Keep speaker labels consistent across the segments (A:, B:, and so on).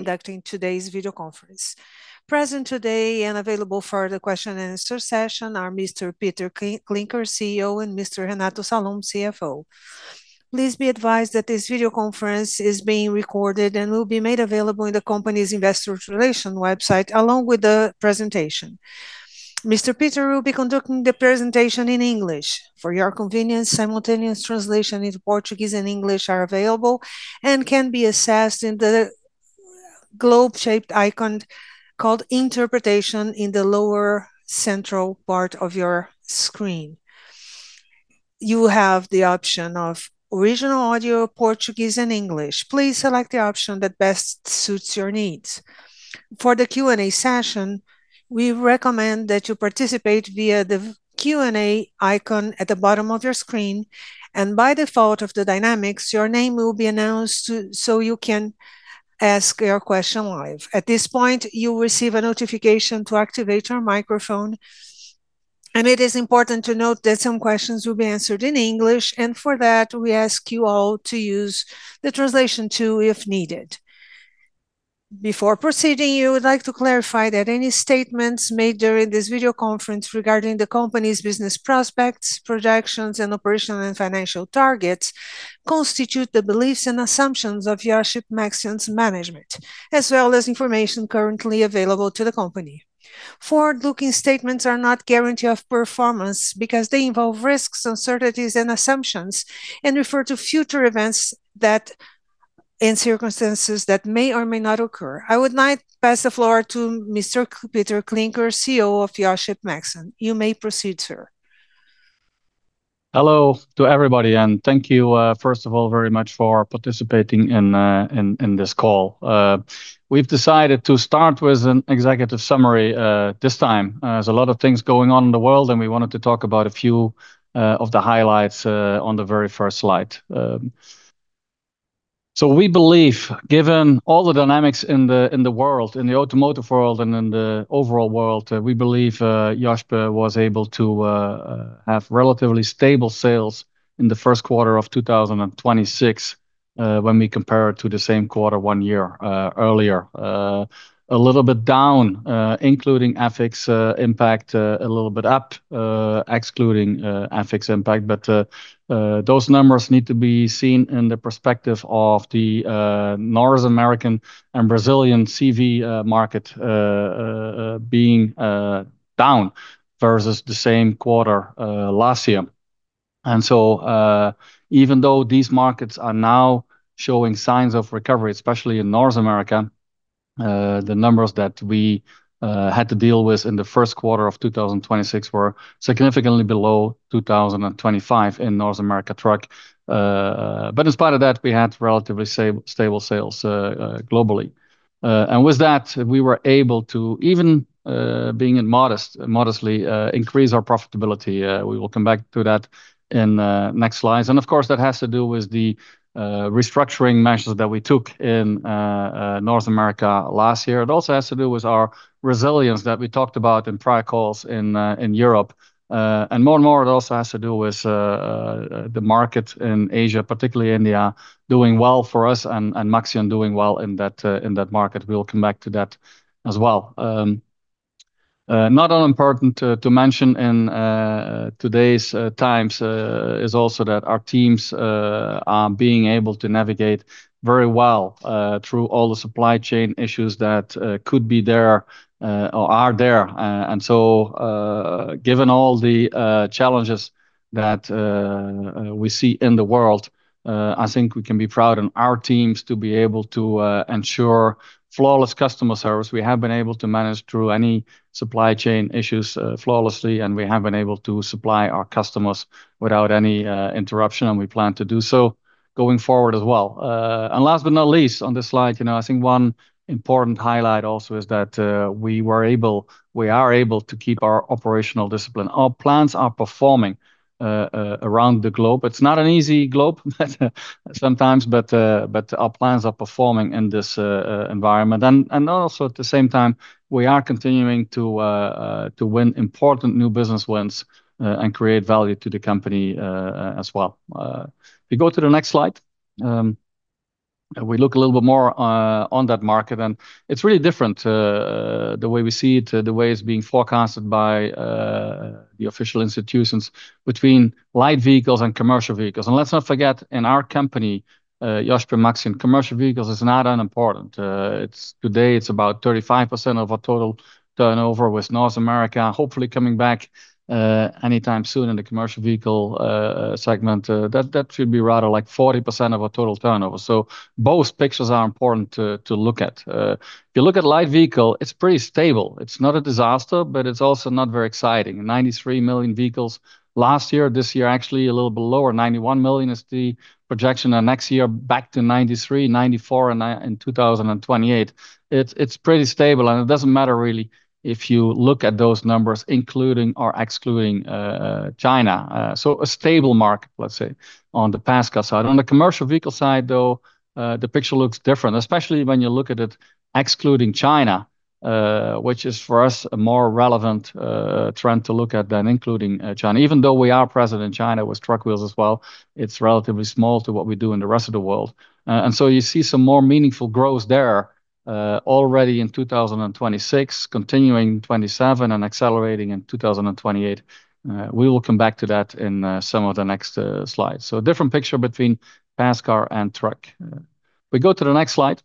A: Conducting today's video conference. Present today and available for the question and answer session are Mr. Pieter Klinkers, CEO, and Mr. Renato Salum, CFO. Please be advised that this video conference is being recorded and will be made available in the company's investor relations website, along with the presentation. Mr. Pieter will be conducting the presentation in English. For your convenience, simultaneous translation into Portuguese and English are available and can be accessed in the globe-shaped icon called Interpretation in the lower central part of your screen. You have the option of regional audio, Portuguese and English. Please select the option that best suits your needs. For the Q&A session, we recommend that you participate via the Q&A icon at the bottom of your screen, and by default of the dynamics, your name will be announced so you can ask your question live. At this point, you'll receive a notification to activate your microphone. It is important to note that some questions will be answered in English, for that we ask you all to use the translation too, if needed. Before proceeding, we would like to clarify that any statements made during this video conference regarding the company's business prospects, projections, and operational and financial targets constitute the beliefs and assumptions of Iochpe-Maxion's management, as well as information currently available to the company. Forward-looking statements are not guarantee of performance because they involve risks, uncertainties, and assumptions, and refer to future events and circumstances that may or may not occur. I would now pass the floor to Mr. Pieter Klinkers, CEO of Iochpe-Maxion. You may proceed, sir.
B: Hello to everybody, thank you, first of all, very much for participating in this call. We've decided to start with an executive summary this time. There's a lot of things going on in the world, we wanted to talk about a few of the highlights on the very first slide. We believe, given all the dynamics in the world, in the automotive world and in the overall world, we believe Iochpe-Maxion was able to have relatively stable sales in the first quarter of 2026, when we compare it to the same quarter one year earlier. A little bit down, including FX impact. A little bit up, excluding FX impact. Those numbers need to be seen in the perspective of the North American and Brazilian CV market being down versus the same quarter last year. Even though these markets are now showing signs of recovery, especially in North America, the numbers that we had to deal with in the first quarter of 2026 were significantly below 2025 in North America truck. In spite of that, we had relatively stable sales globally. With that, we were able to even modestly increase our profitability. We will come back to that in next slides. Of course, that has to do with the restructuring measures that we took in North America last year. It also has to do with our resilience that we talked about in prior calls in Europe. More and more it also has to do with the market in Asia, particularly India, doing well for us and Maxion doing well in that market. We'll come back to that as well. Not unimportant to mention in today's times is also that our teams are being able to navigate very well through all the supply chain issues that could be there or are there. Given all the challenges that we see in the world, I think we can be proud in our teams to be able to ensure flawless customer service. We have been able to manage through any supply chain issues flawlessly, and we have been able to supply our customers without any interruption, and we plan to do so going forward as well. Last but not least, on this slide, you know, I think one important highlight also is that we are able to keep our operational discipline. Our plants are performing around the globe. It's not an easy globe sometimes, but our plants are performing in this environment. Also at the same time, we are continuing to win important new business wins and create value to the company as well. If you go to the next slide, we look a little bit more on that market. It's really different, the way we see it, the way it's being forecasted by the official institutions between light vehicles and commercial vehicles. Let's not forget, in our company, Iochpe-Maxion, commercial vehicles is not unimportant. Today it's about 35% of our total turnover with North America hopefully coming back, anytime soon in the commercial vehicle segment. That should be rather like 40% of our total turnover. Both pictures are important to look at. If you look at light vehicle, it's pretty stable. It's not a disaster, but it's also not very exciting. 93 million vehicles last year. This year actually a little bit lower, 91 million is the projection. Next year back to 93, 94, and in 2028. It's pretty stable. It doesn't matter really if you look at those numbers, including or excluding China. A stable market, let's say, on the passenger side. On the commercial vehicle side though, the picture looks different, especially when you look at it excluding China. Which is for us a more relevant trend to look at than including China. Even though we are present in China with truck wheels as well, it's relatively small to what we do in the rest of the world. You see some more meaningful growth there, already in 2026 continuing 2027 and accelerating in 2028. We will come back to that in some of the next slides. Different picture between pass car and truck. We go to the next slide.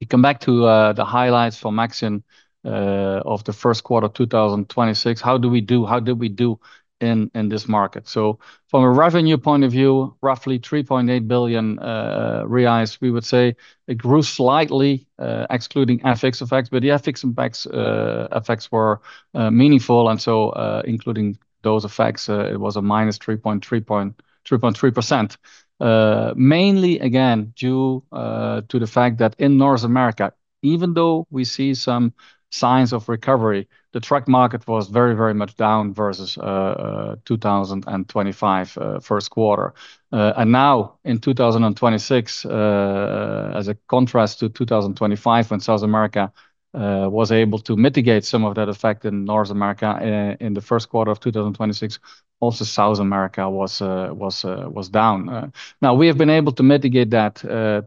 B: We come back to the highlights for Maxion of the first quarter 2026. How do we do? How did we do in this market? From a revenue point of view, roughly 3.8 billion reais realized, we would say it grew slightly, excluding FX effects. The FX impacts effects were meaningful, and so, including those effects, it was a -3.3%. Mainly again, due to the fact that in North America, even though we see some signs of recovery, the truck market was very, very much down versus 2025 first quarter. Now in 2026, as a contrast to 2025 when South America was able to mitigate some of that effect in North America, in the first quarter of 2026, also South America was down. Now we have been able to mitigate that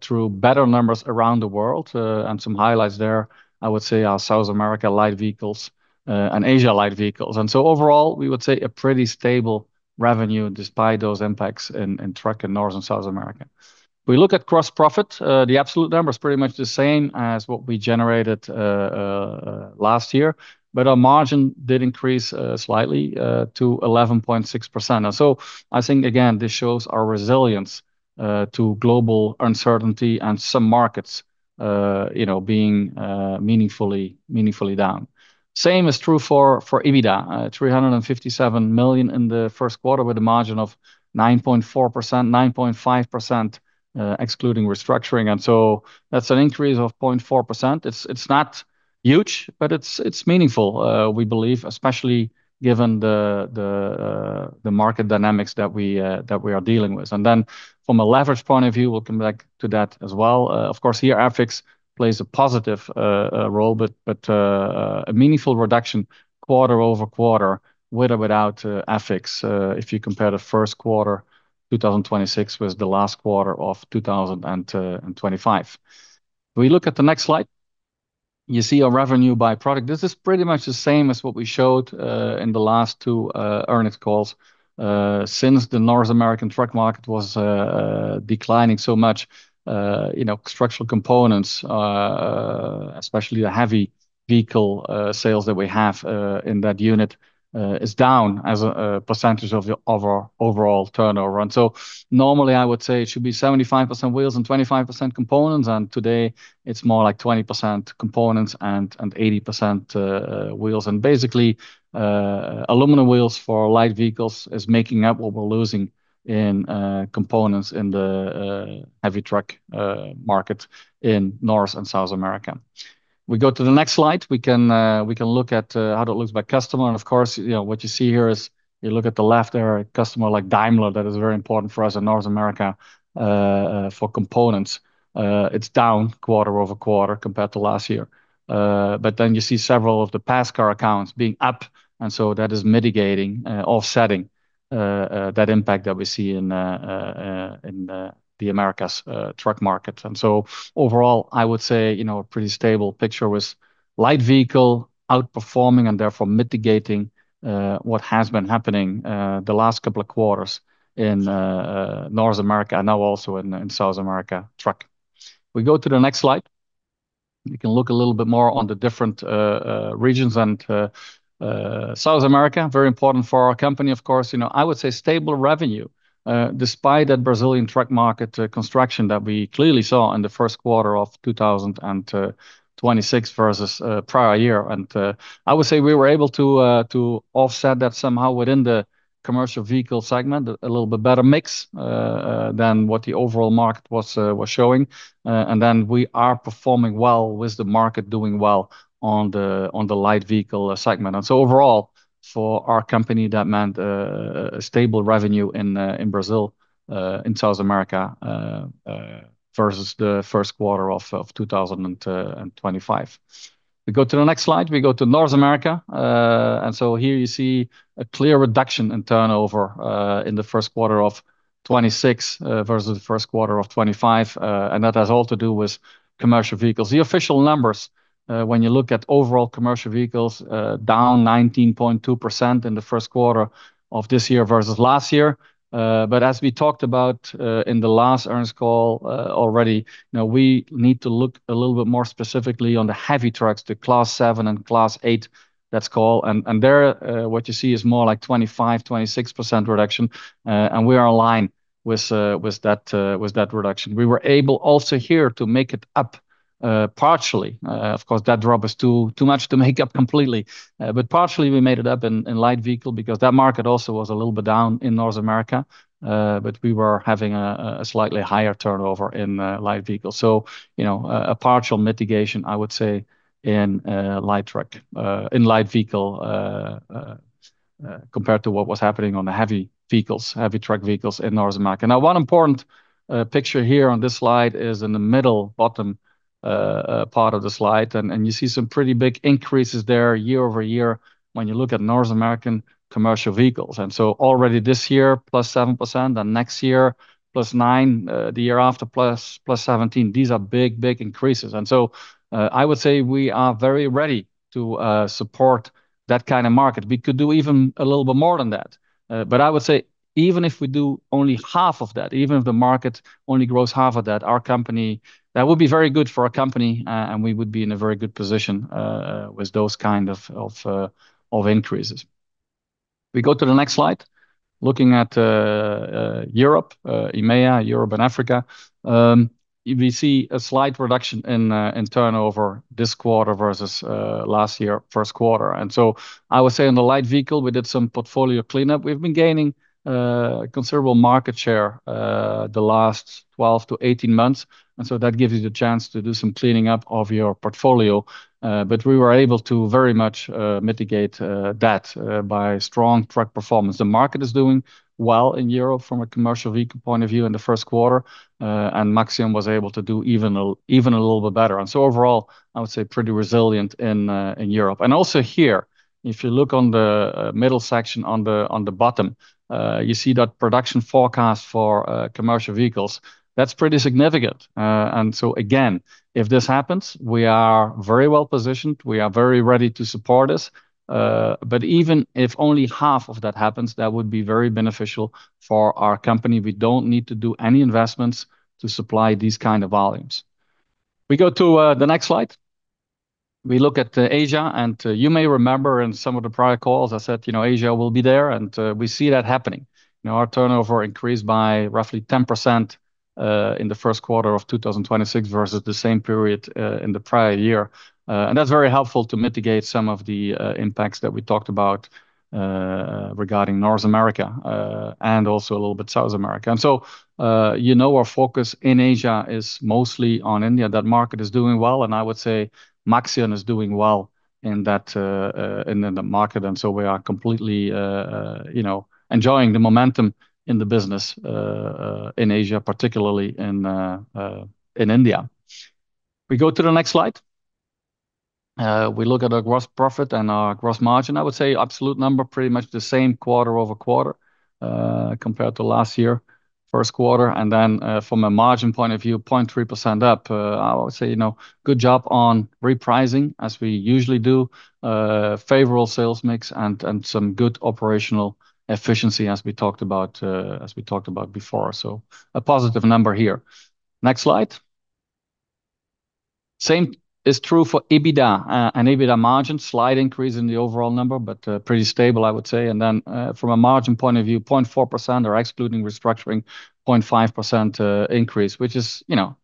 B: through better numbers around the world, and some highlights there, I would say are South America light vehicles, and Asia light vehicles. Overall, we would say a pretty stable revenue despite those impacts in truck in North and South America. We look at gross profit, the absolute number is pretty much the same as what we generated last year, but our margin did increase slightly to 11.6%. I think again, this shows our resilience to global uncertainty and some markets, you know, being meaningfully down. Same is true for EBITDA, 357 million in the first quarter with a margin of 9.4%, 9.5% excluding restructuring. That's an increase of 0.4%. It's not huge, but it's meaningful, we believe, especially given the market dynamics that we are dealing with. From a leverage point of view, we'll come back to that as well. Of course, here FX plays a positive role, but a meaningful reduction quarter-over-quarter with or without FX, if you compare the first quarter 2026 with the last quarter of 2025. We look at the next slide. You see our revenue by product. This is pretty much the same as what we showed in the last two earnings calls. Since the North American truck market was declining so much, you know, structural components, especially the heavy vehicle sales that we have in that unit, is down as a percentage of our overall turnover. Normally I would say it should be 75% wheels and 25% components, and today it's more like 20% components and 80% wheels. Basically, aluminum wheels for light vehicles is making up what we're losing in components in the heavy truck market in North and South America. We go to the next slide. We can look at how it looks by customer. Of course, you know, what you see here is you look at the left there, a customer like Daimler that is very important for us in North America for components. It's down quarter-over-quarter compared to last year. You see several of the passenger car accounts being up, so that is mitigating, offsetting, that impact that we see in the Americas truck market. Overall, I would say, you know, a pretty stable picture with light vehicle outperforming and therefore mitigating what has been happening the last couple of quarters in North America, and now also in South America truck. We go to the next slide. You can look a little bit more on the different regions and South America, very important for our company, of course. You know, I would say stable revenue despite that Brazilian truck market contraction that we clearly saw in the first quarter of 2026 versus prior year. I would say we were able to offset that somehow within the commercial vehicle segment, a little bit better mix than what the overall market was showing. We are performing well with the market doing well on the light vehicle segment. Overall, for our company, that meant a stable revenue in Brazil, in South America, versus the first quarter of 2025. We go to the next slide. We go to North America. Here you see a clear reduction in turnover in the first quarter of 2026 versus the first quarter of 2025, and that has all to do with commercial vehicles. The official numbers, when you look at overall commercial vehicles, down 19.2% in the first quarter of this year versus last year. As we talked about, in the last earnings call, already, you know, we need to look a little bit more specifically on the heavy trucks, the Class seven and Class eight, that's called. There, what you see is more like 25%-26% reduction. We are in line with that, with that reduction. We were able also here to make it up partially. Of course, that drop is too much to make up completely. Partially we made it up in light vehicle because that market also was a little bit down in North America. We were having a slightly higher turnover in light vehicles. You know, a partial mitigation, I would say, in light vehicle compared to what was happening on the heavy vehicles, heavy truck vehicles in North America. Now, one important picture here on this slide is in the middle bottom part of the slide, and you see some pretty big increases there year-over-year when you look at North American commercial vehicles. Already this year, +7%, and next year +9%, the year after, +17%. These are big increases. I would say we are very ready to support that kind of market. We could do even a little bit more than that. I would say even if we do only half of that, even if the market only grows half of that, our company. That would be very good for our company, and we would be in a very good position with those kind of increases. We go to the next slide. Looking at Europe, EMEA, Europe and Africa, we see a slight reduction in turnover this quarter versus last year first quarter. I would say on the light vehicle, we did some portfolio cleanup. We've been gaining considerable market share the last 12-18 months, that gives you the chance to do some cleaning up of your portfolio. We were able to very much mitigate that by strong truck performance. The market is doing well in Europe from a commercial vehicle point of view in the first quarter, Maxion was able to do even a little bit better. Overall, I would say pretty resilient in Europe. Also here, if you look on the middle section on the bottom, you see that production forecast for commercial vehicles. That's pretty significant. Again, if this happens, we are very well-positioned. We are very ready to support this. Even if only half of that happens, that would be very beneficial for our company. We don't need to do any investments to supply these kind of volumes. We go to the next slide. We look at Asia, and you may remember in some of the prior calls I said, you know, Asia will be there, and we see that happening. You know, our turnover increased by roughly 10% in the first quarter of 2026 versus the same period in the prior year. That's very helpful to mitigate some of the impacts that we talked about regarding North America and also a little bit South America. So, you know, our focus in Asia is mostly on India. That market is doing well, and I would say Maxion is doing well in that in the market. So we are completely, you know, enjoying the momentum in the business in Asia, particularly in India. We go to the next slide. We look at our gross profit and our gross margin. I would say absolute number, pretty much the same quarter-over-quarter, compared to last year first quarter. Then, from a margin point of view, 0.3% up. I would say, you know, good job on repricing as we usually do, favorable sales mix and some good operational efficiency as we talked about, as we talked about before. A positive number here. Next slide. Same is true for EBITDA and EBITDA margin. Slight increase in the overall number, but pretty stable I would say. From a margin point of view, 0.4% or excluding restructuring 0.5% increase, which is, you know,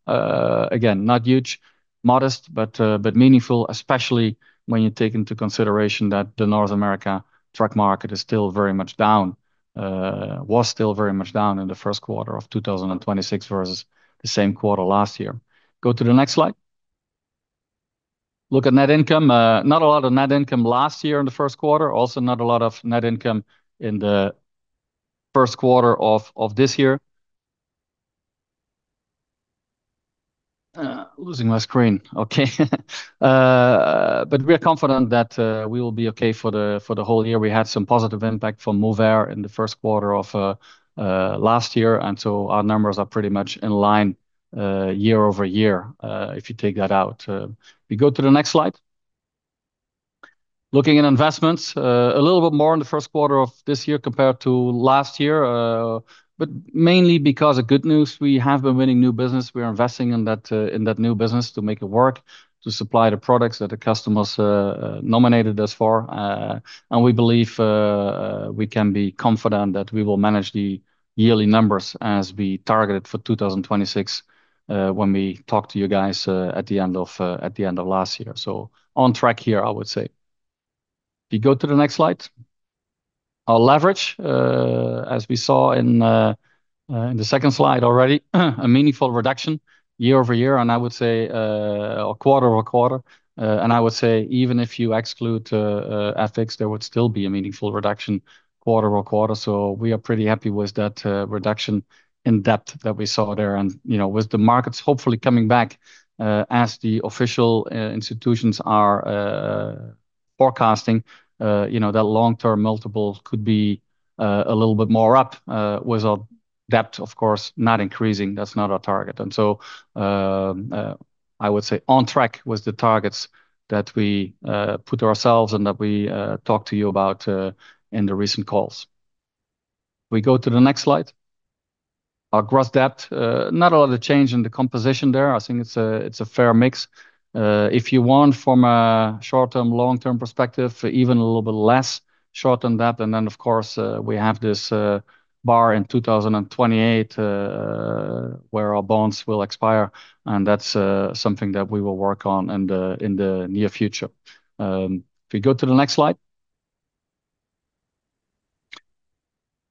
B: again, not huge, modest, but meaningful, especially when you take into consideration that the North America truck market is still very much down, was still very much down in the first quarter of 2026 versus the same quarter last year. Go to the next slide. Look at net income. Not a lot of net income last year in the first quarter. Also, not a lot of net income in the first quarter of this year. Losing my screen. Okay. We are confident that we will be okay for the whole year. We had some positive impact from MOVER in the first quarter of last year, our numbers are pretty much in line year-over-year, if you take that out. We go to the next slide. Looking at investments, a little bit more in the first quarter of this year compared to last year, because of good news. We have been winning new business. We are investing in that in that new business to make it work, to supply the products that the customers nominated us for. We can be confident that we will manage the yearly numbers as we targeted for 2026, when we talked to you guys at the end of last year. On track here, I would say. We go to the next slide. Our leverage, as we saw in the second slide already, a meaningful reduction year-over-year and I would say, or quarter-over-quarter. I would say even if you exclude FX, there would still be a meaningful reduction quarter-over-quarter. We are pretty happy with that reduction in debt that we saw there and, you know, with the markets hopefully coming back, as the official institutions are forecasting, you know, that long-term multiple could be a little bit more up, with our debt, of course, not increasing. That's not our target. I would say on track with the targets that we put ourselves and that we talk to you about in the recent calls. We go to the next slide. Our gross debt, not a lot of change in the composition there. I think it's a fair mix. If you want from a short-term, long-term perspective, even a little bit less short than that, and then of course, we have this bar in 2028, where our bonds will expire, and that's something that we will work on in the near future. If we go to the next slide.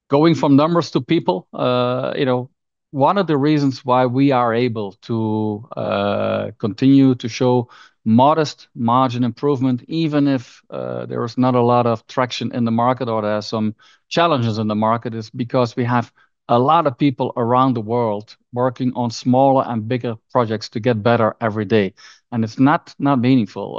B: Going from numbers to people, you know, one of the reasons why we are able to continue to show modest margin improvement even if there is not a lot of traction in the market or there are some challenges in the market, is because we have a lot of people around the world working on smaller and bigger projects to get better every day. It's not meaningful.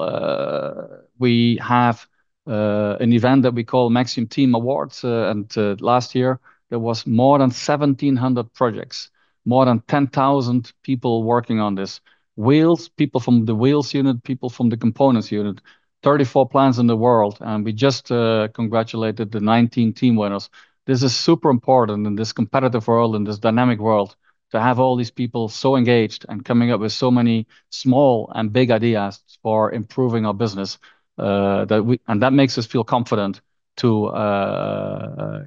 B: We have an event that we call Maxion Team Awards, and last year there was more than 1,700 projects, more than 10,000 people working on this. Wheels, people from the wheels unit, people from the components unit, 34 plants in the world, and we just congratulated the 19 team winners. This is super important in this competitive world, in this dynamic world, to have all these people so engaged and coming up with so many small and big ideas for improving our business. That makes us feel confident to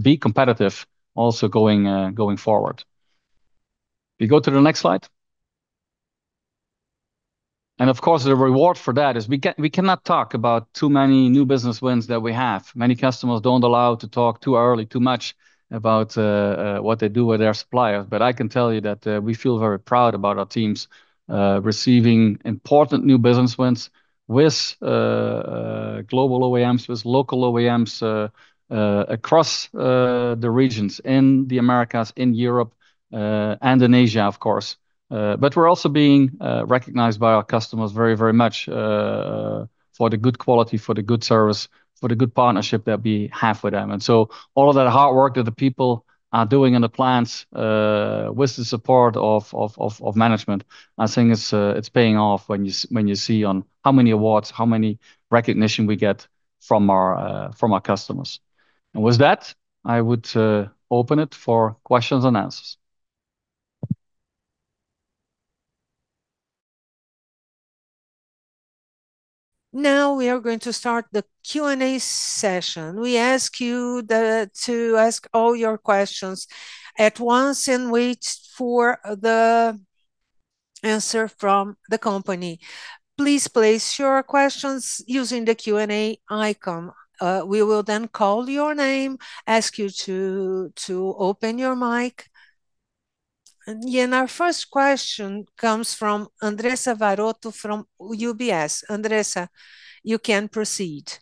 B: be competitive also going forward. We go to the next slide. Of course, the reward for that is we cannot talk about too many new business wins that we have. Many customers don't allow to talk too early, too much about what they do with their suppliers. I can tell you that we feel very proud about our teams receiving important new business wins with global OEMs, with local OEMs, across the regions in the Americas, in Europe, and in Asia, of course. We're also being recognized by our customers very, very much for the good quality, for the good service, for the good partnership that we have with them. All of that hard work that the people are doing in the plants, with the support of management, I think it's paying off when you see on how many awards, how many recognition we get from our customers. With that, I would open it for questions and answers.
A: Now we are going to start the Q&A session. We ask you to ask all your questions at once and wait for the answer from the company. Please place your questions using the Q&A icon. We will then call your name, ask you to open your mic. Our first question comes from Andressa Varotto from UBS. Andressa, you can proceed.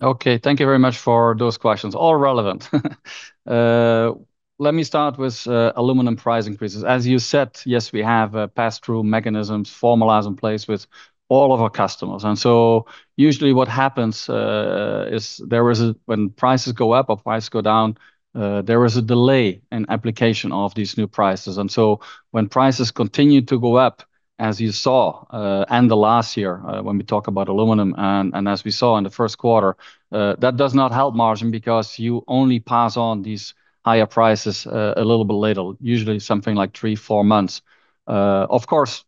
B: Thank you very much for those questions. All relevant. Let me start with aluminum price increases. As you said, yes, we have pass-through mechanisms formalized in place with all of our customers. Usually what happens is there is a delay in application of these new prices when prices go up or prices go down. When prices continue to go up, as you saw end of last year, when we talk about aluminum and as we saw in the first quarter, that does not help margin because you only pass on these higher prices a little bit later, usually something like three, four months. Of course,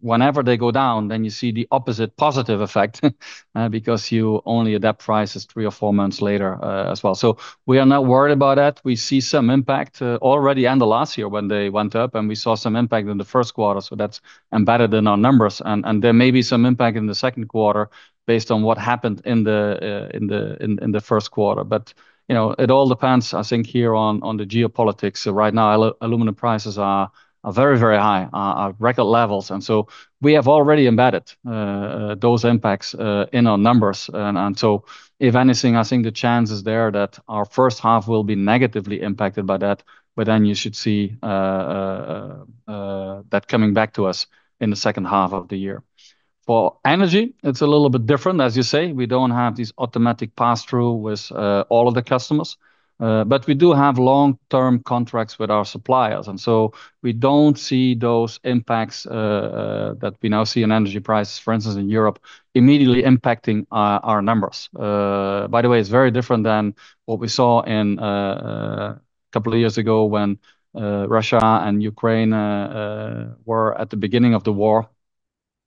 B: whenever they go down, then you see the opposite positive effect because you only adapt prices three or four months later as well. We are not worried about that. We see some impact already end of last year when they went up, and we saw some impact in the first quarter, that's embedded in our numbers. And there may be some impact in the second quarter based on what happened in the first quarter. You know, it all depends, I think, here on the geopolitics. Right now aluminum prices are very, very high, are record levels, we have already embedded those impacts in our numbers. If anything, I think the chance is there that our first half will be negatively impacted by that, you should see that coming back to us in the second half of the year. For energy, it's a little bit different. As you say, we don't have this automatic pass-through with all of the customers. But we do have long-term contracts with our suppliers. We don't see those impacts that we now see in energy prices, for instance, in Europe, immediately impacting our numbers. By the way, it's very different than what we saw in couple of years ago when Russia and Ukraine were at the beginning of the war.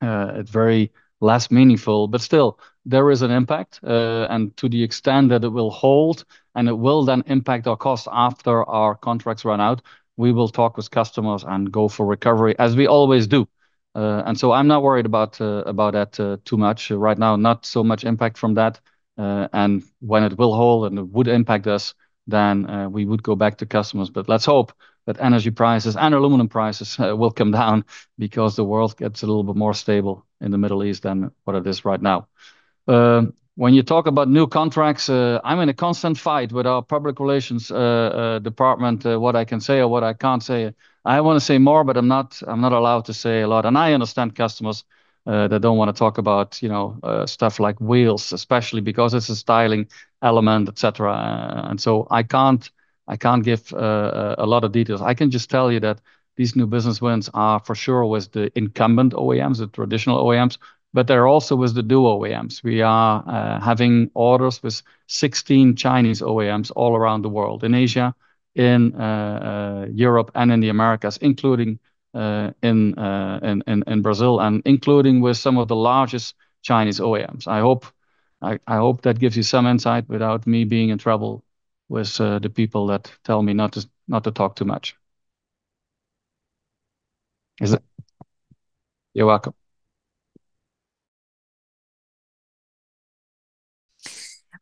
B: It very less meaningful, but still there is an impact. To the extent that it will hold, and it will then impact our costs after our contracts run out, we will talk with customers and go for recovery, as we always do. I'm not worried about about that too much right now. Not so much impact from that. When it will hold and it would impact us, then, we would go back to customers. Let's hope that energy prices and aluminum prices will come down because the world gets a little bit more stable in the Middle East than what it is right now. When you talk about new contracts, I'm in a constant fight with our public relations department, what I can say or what I can't say. I wanna say more, but I'm not allowed to say a lot. I understand customers that don't wanna talk about, you know, stuff like wheels, especially because it's a styling element, et cetera. I can't give a lot of details. I can just tell you that these new business wins are for sure with the incumbent OEMs, the traditional OEMs, but they're also with the new OEMs. We are having orders with 16 Chinese OEMs all around the world, in Asia, in Europe and in the Americas, including in Brazil and including with some of the largest Chinese OEMs. I hope that gives you some insight without me being in trouble with the people that tell me not to talk too much. You're welcome.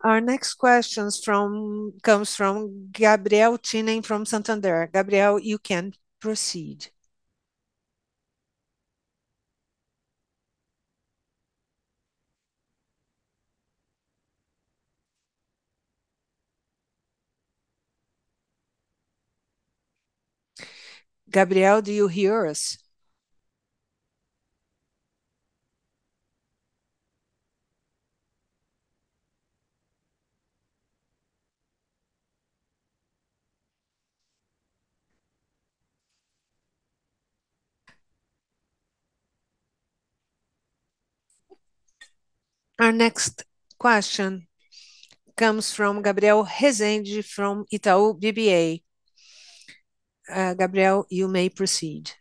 A: Our next question comes from Gabriel Tinem from Santander. Gabriel, you can proceed. Gabriel, do you hear us? Our next question comes from Gabriel Rezende from Itaú BBA. Gabriel, you may proceed.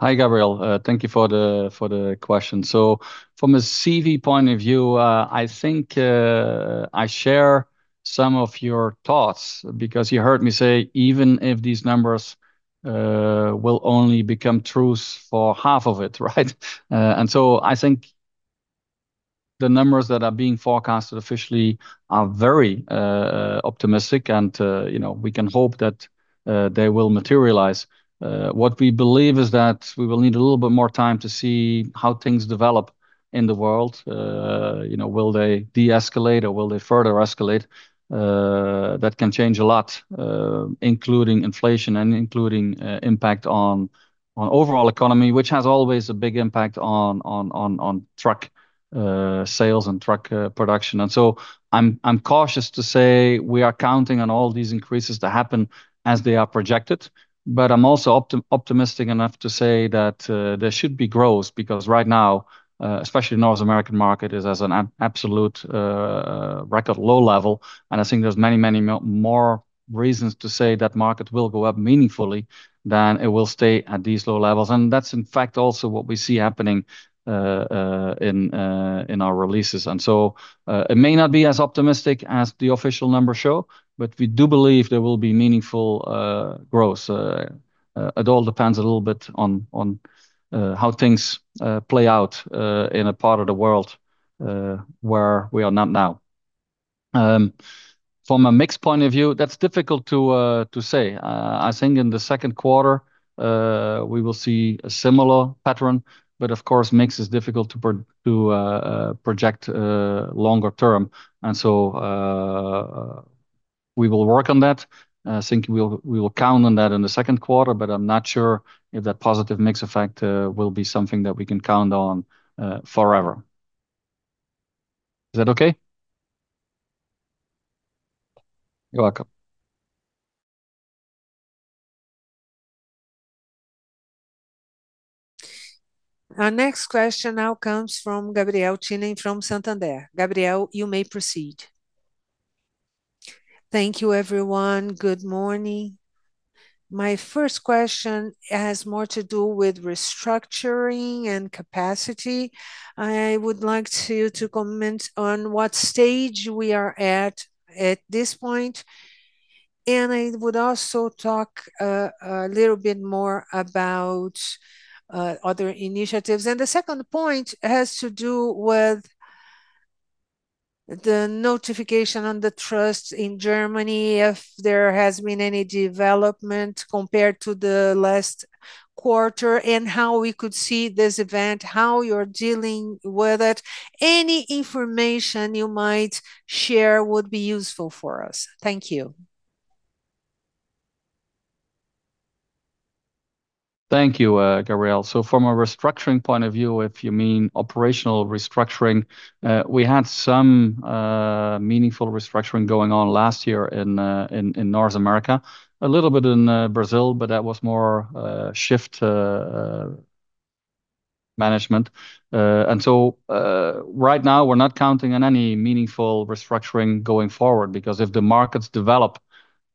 B: Hi, Gabriel. Thank you for the question. From a CV point of view, I think I share some of your thoughts because you heard me say even if these numbers will only become truth for half of it, right? I think the numbers that are being forecasted officially are very optimistic and, you know, we can hope that they will materialize. What we believe is that we will need a little bit more time to see how things develop in the world. You know, will they deescalate or will they further escalate? That can change a lot, including inflation and including impact on overall economy, which has always a big impact on truck sales and truck production. I'm cautious to say we are counting on all these increases to happen as they are projected. I'm also optimistic enough to say that there should be growth because right now, especially North American market is as an absolute record low level. I think there's many, many more reasons to say that market will go up meaningfully than it will stay at these low levels. That's in fact also what we see happening in our releases. It may not be as optimistic as the official numbers show, but we do believe there will be meaningful growth. It all depends a little bit on how things play out in a part of the world where we are not now. From a mixed point of view, that's difficult to say. I think in the second quarter, we will see a similar pattern, but of course mix is difficult to project longer term. We will work on that. I think we will count on that in the second quarter, but I'm not sure if that positive mix effect will be something that we can count on forever. Is that okay? You're welcome.
A: Our next question now comes from Gabriel Tinem from Santander. Gabriel, you may proceed.
C: Thank you everyone. Good morning. My first question has more to do with restructuring and capacity. I would like to comment on what stage we are at at this point. I would also talk a little bit more about other initiatives. The second point has to do with the notification on the antitrust in Germany, if there has been any development compared to the last quarter, and how we could see this event, how you're dealing with it. Any information you might share would be useful for us. Thank you.
B: Thank you, Gabriel Tinem. From a restructuring point of view, if you mean operational restructuring, we had some meaningful restructuring going on last year in North America. A little bit in Brazil, but that was more shift management. Right now we're not counting on any meaningful restructuring going forward because if the markets develop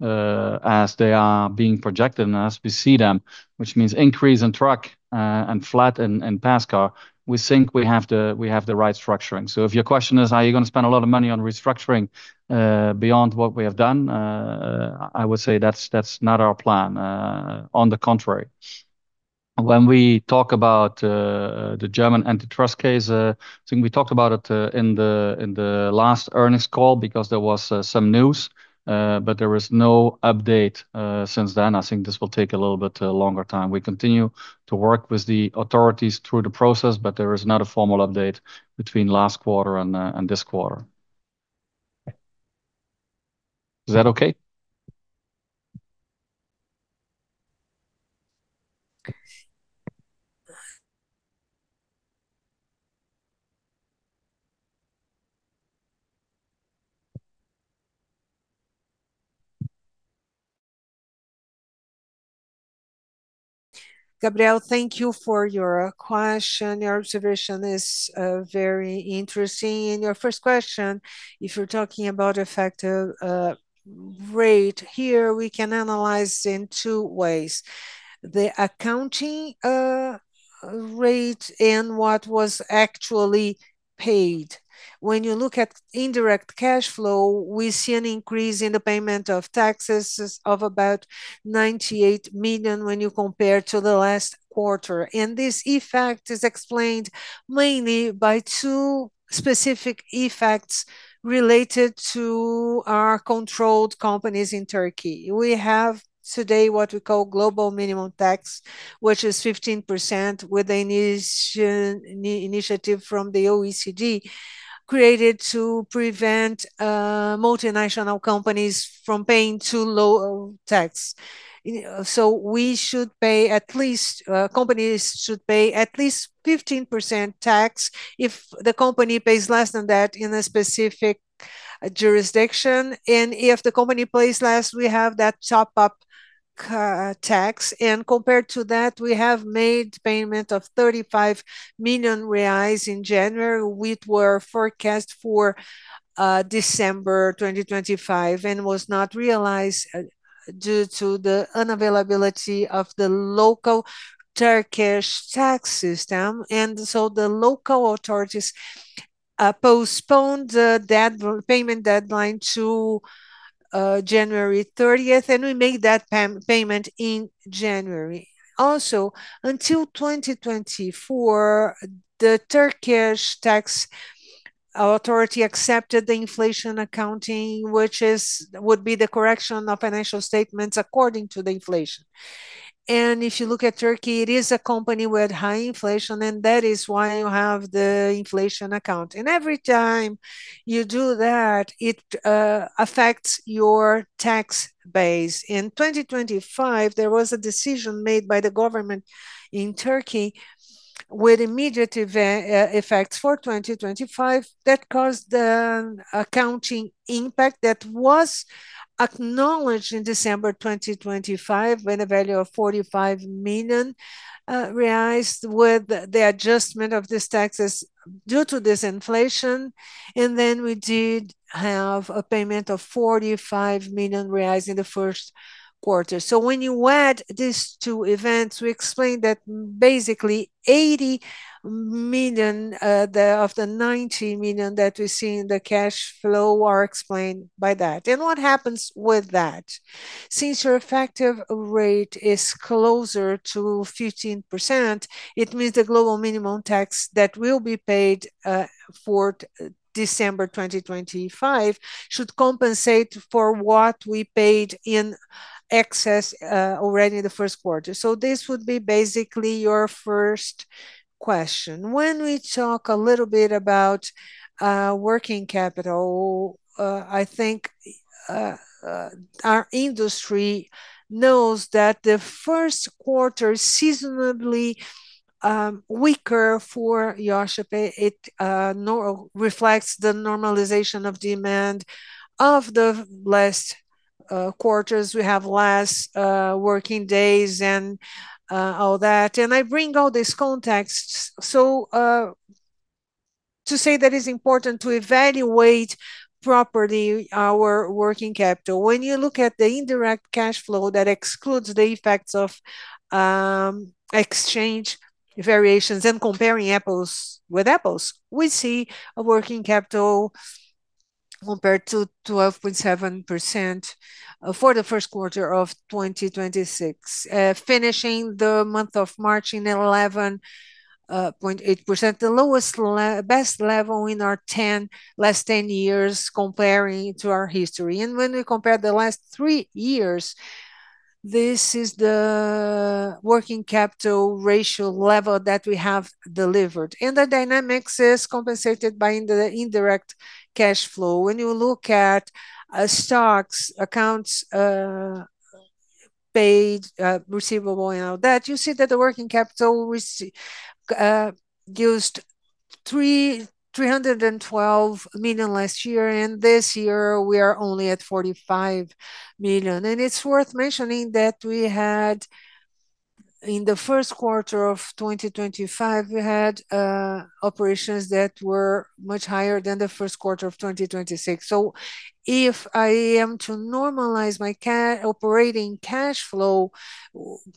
B: as they are being projected and as we see them, which means increase in truck and flat in passenger car, we think we have the right structuring. If your question is are you gonna spend a lot of money on restructuring beyond what we have done, I would say that's not our plan. On the contrary. When we talk about the German antitrust case, I think we talked about it in the last earnings call because there was some news, but there was no update since then. I think this will take a little bit longer time. We continue to work with the authorities through the process, but there is not a formal update between last quarter and this quarter. Is that okay?
D: Gabriel, thank you for your question. Your observation is very interesting. In your first question, if you're talking about effective rate, here we can analyze in two ways. The accounting rate and what was actually paid. When you look at indirect cash flow, we see an increase in the payment of taxes of about 98 million when you compare to the last quarter, and this effect is explained mainly by two specific effects related to our controlled companies in Turkey. We have today what we call global minimum tax, which is 15% with the initiative from the OECD, created to prevent multinational companies from paying too low tax. You know, we should pay at least, companies should pay at least 15% tax. If the company pays less than that in a specific jurisdiction, if the company pays less, we have that top-up tax. Compared to that, we have made payment of 35 million reais in January, which were forecast for December 2025, and was not realized due to the unavailability of the local Turkish tax system. The local authorities postponed the payment deadline to January 30th, and we made that payment in January. Also, until 2024, the Turkish tax authority accepted the inflation accounting, which is, would be the correction of financial statements according to the inflation. If you look at Turkey, it is a company with high inflation, and that is why you have the inflation account. Every time you do that, it affects your tax base. In 2025, there was a decision made by the government in Turkey with immediate effects for 2025 that caused an accounting impact that was acknowledged in December 2025 with a value of 45 million reais with the adjustment of these taxes due to this inflation. We did have a payment of 45 million reais in the first quarter. When you add these two events, we explain that basically 80 million of the 90 million that we see in the cash flow are explained by that. What happens with that? Since your effective rate is closer to 15%, it means the global minimum tax that will be paid for December 2025 should compensate for what we paid in excess already in the first quarter. This would be basically your first question. When we talk a little bit about working capital, I think our industry knows that the first quarter seasonably weaker for Iochpe-Maxion. It reflects the normalization of demand of the last quarters. We have less working days and all that. I bring all this context, so to say that it's important to evaluate properly our working capital. When you look at the indirect cash flow that excludes the effects of exchange variations and comparing apples with apples, we see a working capital compared to 12.7% for the first quarter of 2026. Finishing the month of March in 11.8%, the lowest best level in our last 10 years comparing to our history. When we compare the last three years, this is the working capital ratio level that we have delivered. The dynamics is compensated by indirect cash flow. When you look at stocks, accounts paid, receivable and all that, you see that the working capital used 312 million last year, and this year we are only at 45 million. It's worth mentioning that we had, in the first quarter of 2025, we had operations that were much higher than the first quarter of 2026. If I am to normalize my operating cash flow,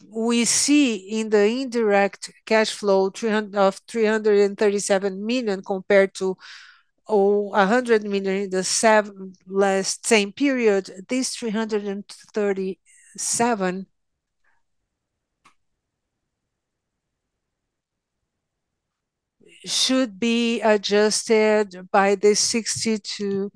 D: we see in the indirect cash flow 337 million compared to 100 million in the seven last same period. This 337 should be adjusted by the 62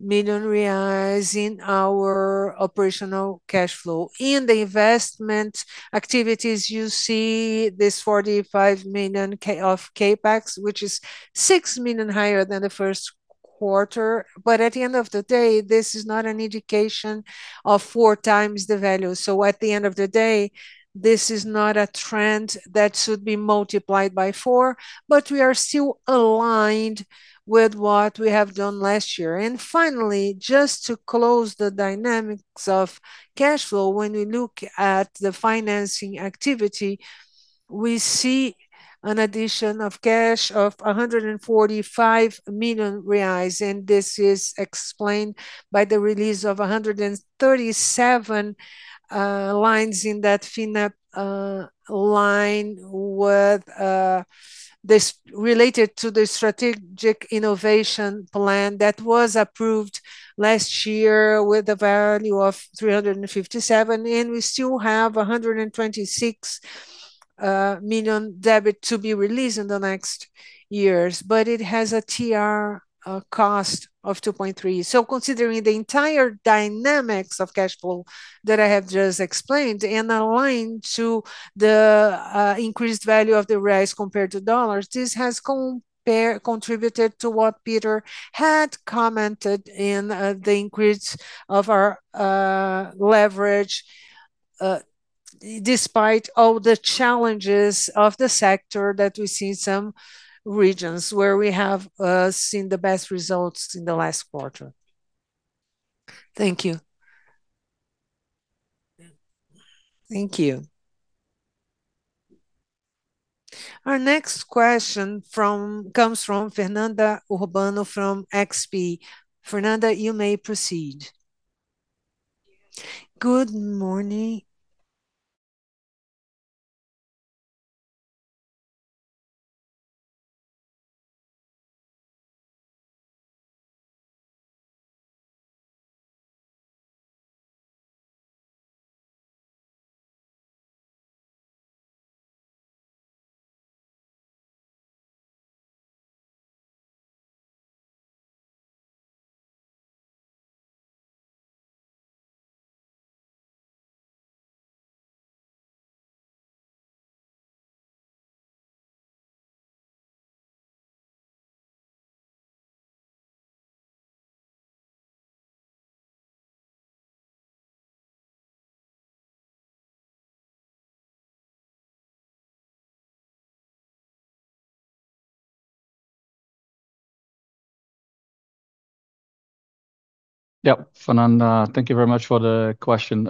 D: million reais in our operational cash flow. In the investment activities, you see this 45 million of CapEx, which is 6 million higher than the first quarter. At the end of the day, this is not an indication of 4x the value. At the end of the day, this is not a trend that should be multiplied by four, but we are still aligned with what we have done last year. Finally, just to close the dynamics of cashflow, when we look at the financing activity, we see an addition of cash of 145 million reais, and this is explained by the release of 137 lines in that FINEP line with this, related to the strategic innovation plan that was approved last year with a value of 357, and we still have 126 million debit to be released in the next years. It has a TR, a cost of 2.3. Considering the entire dynamics of cashflow that I have just explained and aligned to the increased value of the reais compared to dollars, this has contributed to what Pieter had commented in the increase of our leverage, despite all the challenges of the sector that we see some regions where we have seen the best results in the last quarter.
C: Thank you.
A: Our next question comes from Fernanda Urbano from XP. Fernanda, you may proceed.
E: Good morning.
B: Yeah, Fernanda, thank you very much for the question.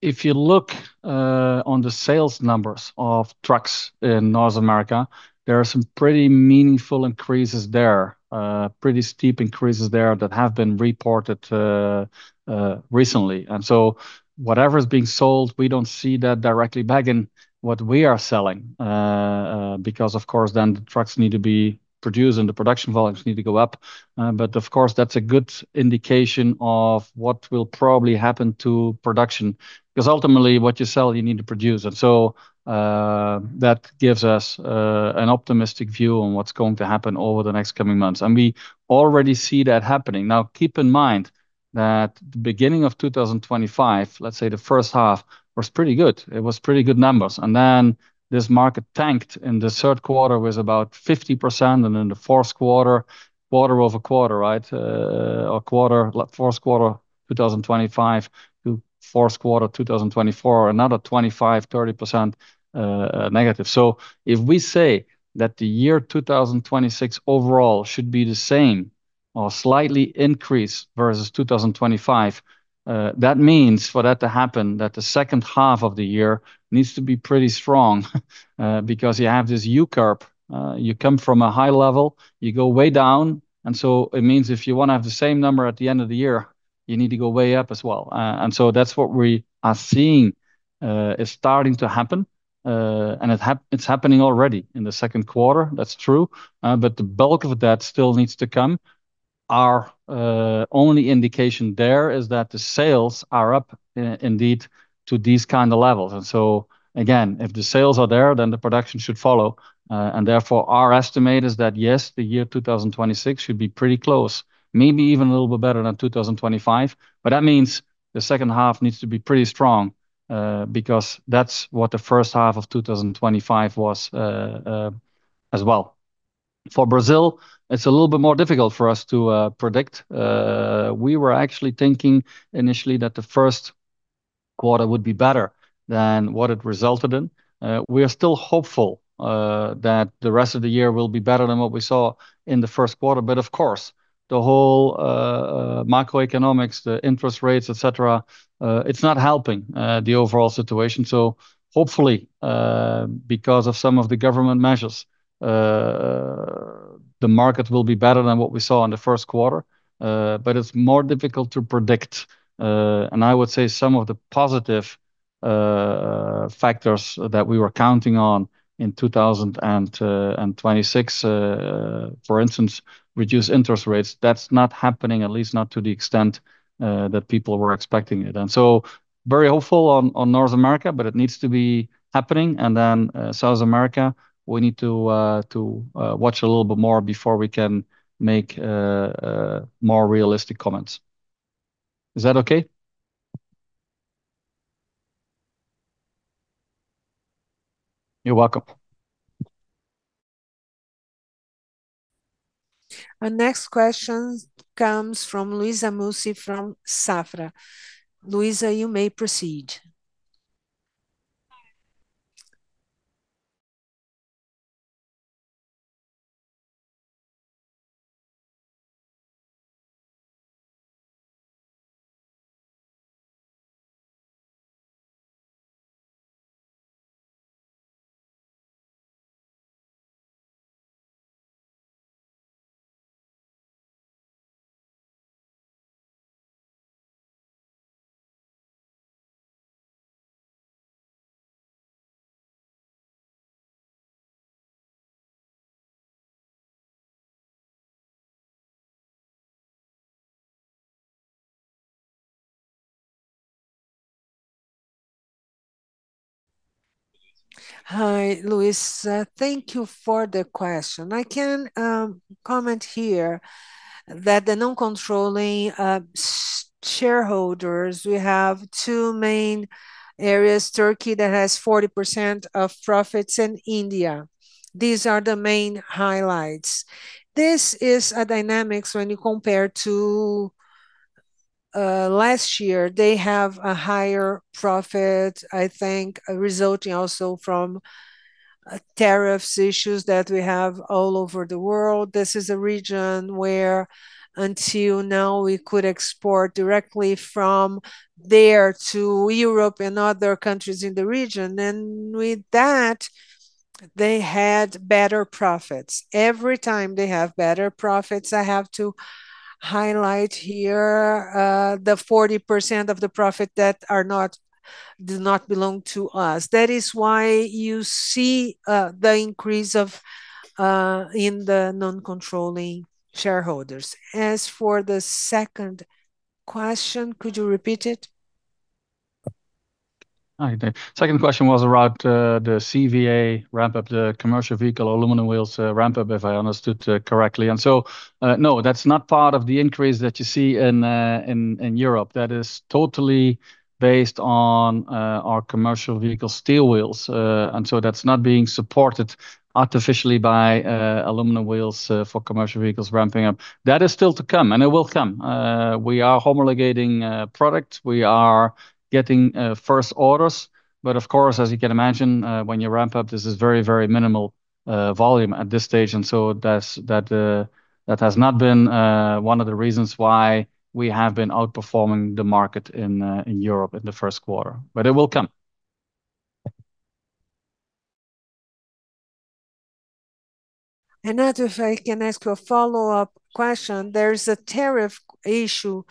B: If you look on the sales numbers of trucks in North America, there are some pretty meaningful increases there, pretty steep increases there that have been reported recently. Whatever is being sold, we don't see that directly back in what we are selling. Because of course then the trucks need to be produced and the production volumes need to go up. Of course, that's a good indication of what will probably happen to production. Ultimately, what you sell, you need to produce. That gives us an optimistic view on what's going to happen over the next coming months. We already see that happening. Keep in mind, that the beginning of 2025, let's say the first half, was pretty good. It was pretty good numbers. This market tanked in the third quarter with about 50%, and in the fourth quarter over quarter. Or quarter, like fourth quarter 2025 to fourth quarter 2024, another 25%-30% negative. If we say that the year 2026 overall should be the same or slightly increased versus 2025, that means for that to happen, that the second half of the year needs to be pretty strong, because you have this U-curve. You come from a high level, you go way down, it means if you wanna have the same number at the end of the year, you need to go way up as well. That's what we are seeing, is starting to happen. It's happening already in the second quarter, that's true, but the bulk of that still needs to come. Our only indication there is that the sales are up, indeed to these kind of levels. Again, if the sales are there, then the production should follow. Therefore, our estimate is that, yes, the year 2026 should be pretty close, maybe even a little bit better than 2025. That means the second half needs to be pretty strong, because that's what the first half of 2025 was as well. For Brazil, it's a little bit more difficult for us to predict. We were actually thinking initially that the first quarter would be better than what it resulted in. We are still hopeful that the rest of the year will be better than what we saw in the first quarter. Of course, the whole macroeconomics, the interest rates, et cetera, it's not helping the overall situation. Hopefully, because of some of the government measures, the market will be better than what we saw in the first quarter. It's more difficult to predict. I would say some of the positive factors that we were counting on in 2026, for instance, reduced interest rates, that's not happening, at least not to the extent that people were expecting it. Very hopeful on North America, but it needs to be happening. South America, we need to watch a little bit more before we can make more realistic comments. Is that okay? You're welcome.
A: Our next question comes from Luiza Mussi from Safra. Luiza, you may proceed.
D: Hi, Luiza. Thank you for the question. I can comment here that the non-controlling shareholders, we have two main areas: Turkey, that has 40% of profits, and India. These are the main highlights. This is a dynamics when you compare to last year. They have a higher profit, I think resulting also from tariffs issues that we have all over the world. This is a region where until now we could export directly from there to Europe and other countries in the region. With that, they had better profits. Every time they have better profits, I have to highlight here the 40% of the profit that do not belong to us. That is why you see the increase of in the non-controlling shareholders. As for the second question, could you repeat it?
B: I did. Second question was about the CVA ramp-up, the commercial vehicle aluminum wheels ramp-up, if I understood correctly. No, that's not part of the increase that you see in Europe. That is totally based on our commercial vehicle steel wheels. That's not being supported artificially by aluminum wheels for commercial vehicles ramping up. That is still to come, and it will come. We are homologating product. We are getting first orders. As you can imagine, when you ramp up, this is very, very minimal volume at this stage. That has not been one of the reasons why we have been outperforming the market in Europe in the first quarter. It will come.
F: Now if I can ask you a follow-up question. There is a tariff issue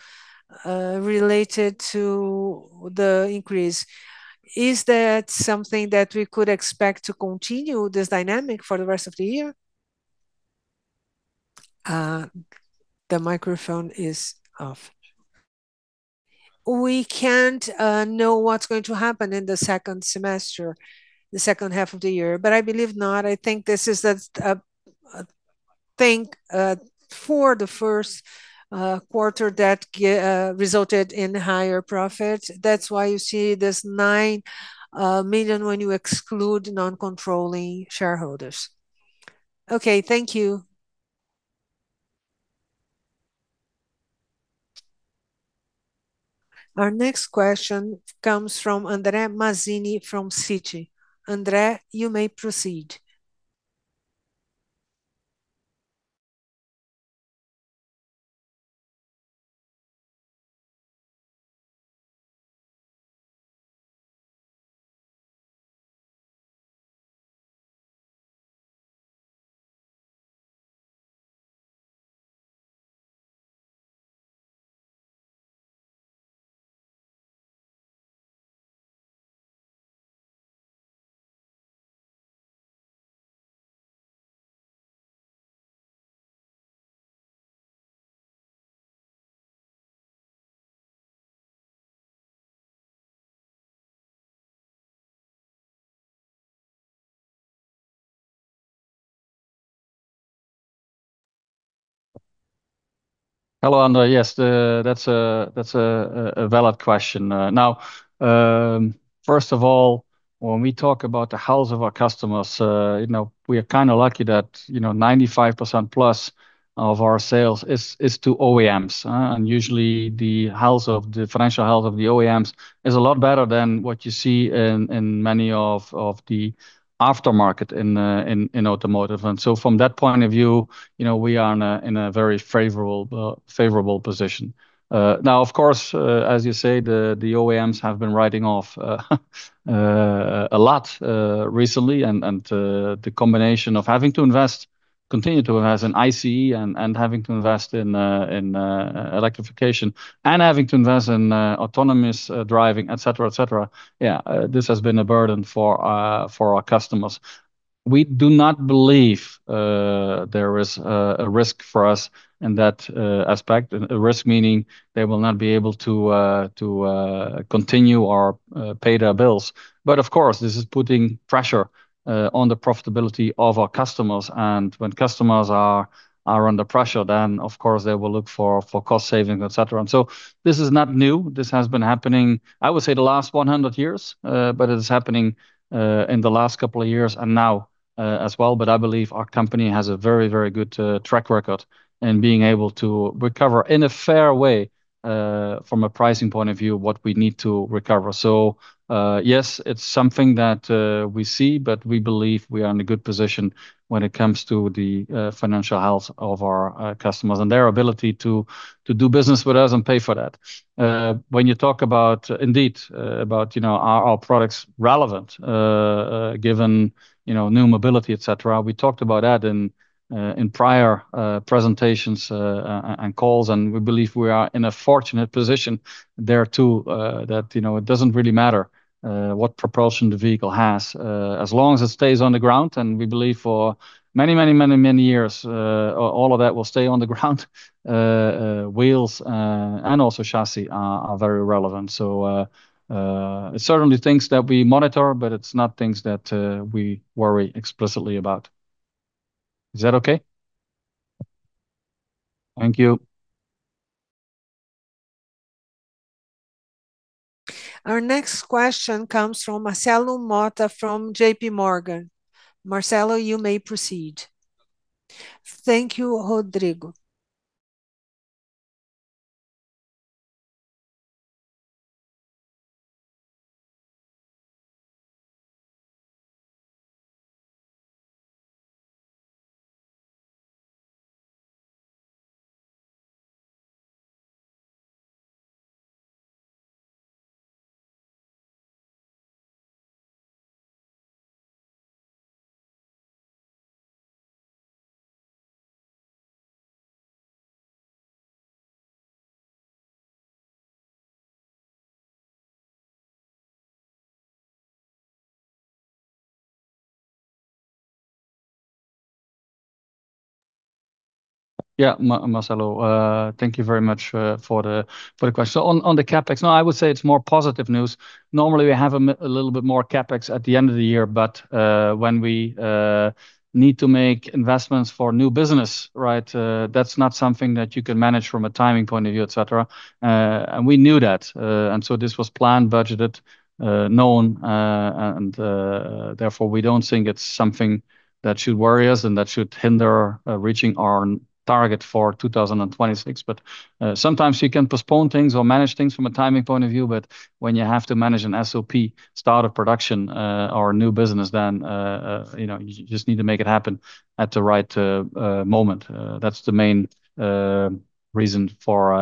F: related to the increase. Is that something that we could expect to continue this dynamic for the rest of the year?
A: The microphone is off.
D: We can't know what's going to happen in the second semester, the second half of the year. I believe not. I think this is a thing for the first quarter that resulted in higher profits. That's why you see this 9 million when you exclude non-controlling shareholders. Okay, thank you.
A: Our next question comes from Andre Mazini from Citi. Andre, you may proceed.
B: Hello, Andre Mazini. Yes, that's a valid question. Now, first of all, when we talk about the health of our customers, you know, we are kind of lucky that, you know, 95% plus of our sales is to OEMs, and usually the financial health of the OEMs is a lot better than what you see in many of the aftermarket in automotive. From that point of view, you know, we are in a very favorable position. Now of course, as you say, the OEMs have been writing off a lot recently and the combination of having to invest, continue to invest in ICE and having to invest in electrification and having to invest in autonomous driving, et cetera, et cetera. Yeah, this has been a burden for our customers. We do not believe there is a risk for us in that aspect. A risk meaning they will not be able to continue or pay their bills. But of course, this is putting pressure on the profitability of our customers, and when customers are under pressure, then of course they will look for cost savings, et cetera. This is not new. This has been happening, I would say the last 100 years. It is happening in the last couple of years and now as well. I believe our company has a very, very good track record in being able to recover in a fair way from a pricing point of view, what we need to recover. Yes, it's something that we see, but we believe we are in a good position when it comes to the financial health of our customers and their ability to do business with us and pay for that. When you talk about indeed, about, you know, are our products relevant, given, you know, new mobility, et cetera. We talked about that in prior presentations and calls, and we believe we are in a fortunate position there too. That, you know, it doesn't really matter what propulsion the vehicle has as long as it stays on the ground. We believe for many years all of that will stay on the ground. Wheels and also chassis are very relevant. Certainly things that we monitor, but it's not things that we worry explicitly about. Is that okay?
G: Thank you.
A: Our next question comes from Marcelo Motta from JPMorgan. Marcelo, you may proceed.
H: Thank you, Rodrigo.
B: Yeah. Marcelo, thank you very much, for the question. On, on the CapEx, I would say it's more positive news. Normally, we have a little bit more CapEx at the end of the year, but when we need to make investments for new business, right? That's not something that you can manage from a timing point of view, et cetera. We knew that. This was planned, budgeted, known. Therefore, we don't think it's something that should worry us and that should hinder reaching our target for 2026. Sometimes you can postpone things or manage things from a timing point of view. When you have to manage an SOP, start of production, or a new business, you know, you just need to make it happen at the right moment. That's the main reason for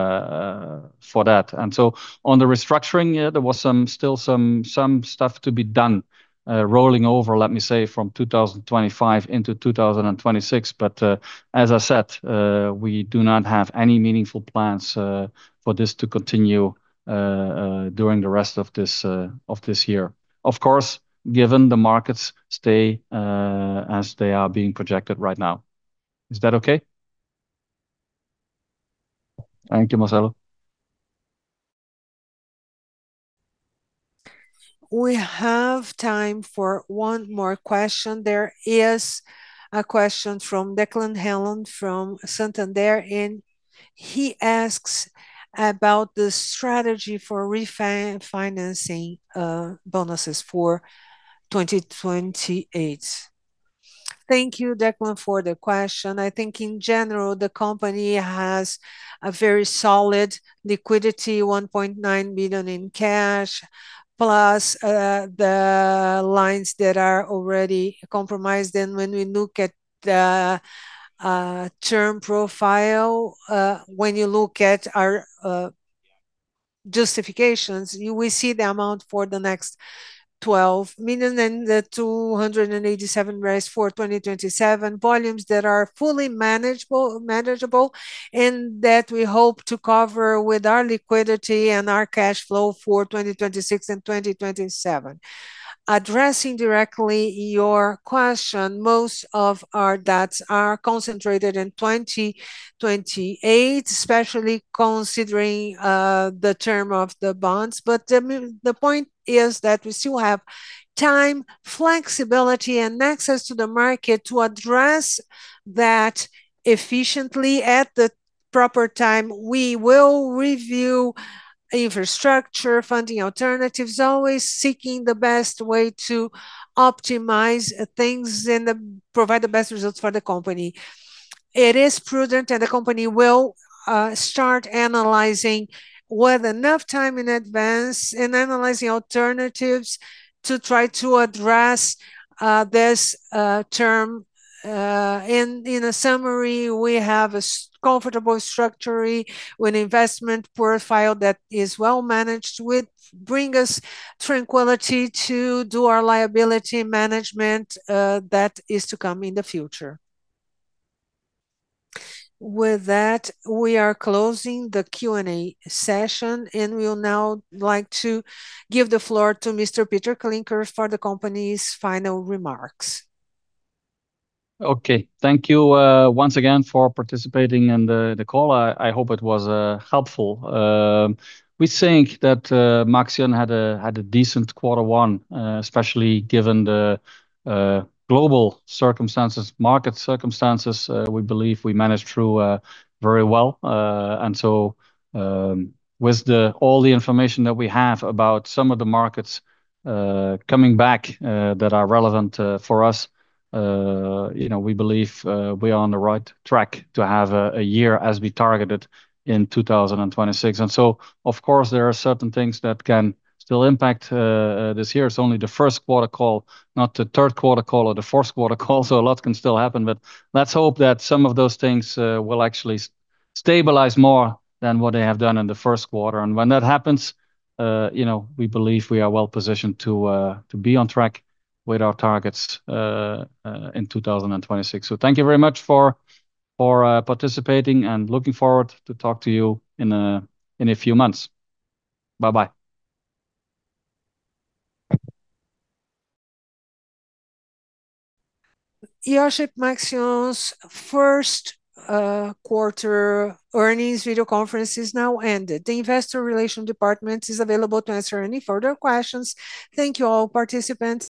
B: that. On the restructuring, yeah, there was still some stuff to be done, rolling over, let me say, from 2025 into 2026. As I said, we do not have any meaningful plans for this to continue during the rest of this year, of course, given the markets stay as they are being projected right now. Is that okay? Thank you, Marcelo.
A: We have time for one more question. There is a question from Declan Hanlon from Santander. He asks about the strategy for financing bonuses for 2028.
D: Thank you, Declan, for the question. I think in general, the company has a very solid liquidity, 1.9 billion in cash, plus the lines that are already compromised. When we look at the term profile, when you look at our justifications, you will see the amount for the next 12 million and the 287 million raise for 2027, volumes that are fully manageable and that we hope to cover with our liquidity and our cash flow for 2026 and 2027. Addressing directly your question, most of our debts are concentrated in 2028, especially considering the term of the bonds. The point is that we still have time, flexibility, and access to the market to address that efficiently. At the proper time, we will review infrastructure, funding alternatives, always seeking the best way to optimize things and provide the best results for the company. It is prudent that the company will start analyzing with enough time in advance and analyzing alternatives to try to address this term. In a summary, we have a comfortable structure with investment profile that is well-managed with. Bring us tranquility to do our liability management that is to come in the future. With that, we are closing the Q&A session, and we will now like to give the floor to Mr. Pieter Klinkers for the company's final remarks.
B: Okay. Thank you, once again for participating in the call. I hope it was helpful. We think that Maxion had a decent quarter one, especially given the global circumstances, market circumstances. We believe we managed through very well. With all the information that we have about some of the markets coming back that are relevant for us, you know, we believe we are on the right track to have a year as we targeted in 2026. Of course, there are certain things that can still impact this year. It's only the first quarter call, not the third quarter call or the fourth quarter call, so a lot can still happen. Let's hope that some of those things, will actually stabilize more than what they have done in the first quarter. When that happens, you know, we believe we are well-positioned to be on track with our targets in 2026. Thank you very much for participating and looking forward to talk to you in a few months. Bye-bye.
A: Iochpe-Maxion's first quarter earnings video conference is now ended. The Investor Relations department is available to answer any further questions. Thank you all participants.